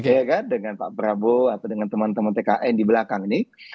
ya kan dengan pak prabowo atau dengan teman teman tkn di belakang ini